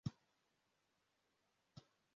Imbwa yiruka mu murima wa shelegi